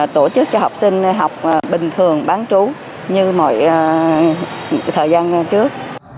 tổ chức cho học sinh học bình thường bán trú như mọi thời gian trước